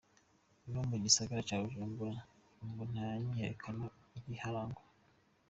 No mu gisagara ca Bujumbura ngo nta myiyerekano ikiharangwa.